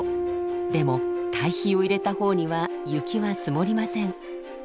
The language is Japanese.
でも堆肥を入れた方には雪は積もりません。